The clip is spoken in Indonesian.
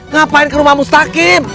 ngapain ke rumah mustaqim